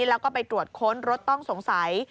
แล้วก็ไปตรวจค้นรถต้องสงสัย